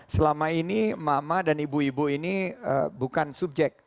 selama ini emak emak dan ibu ibu ini bukan subjek